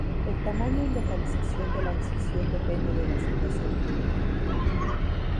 El tamaño y localización de la incisión depende de la situación clínica.